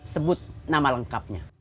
sebut nama lengkapnya